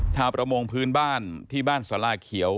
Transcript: ชาวประมงพื้นบ้านที่บ้านสลาเขียว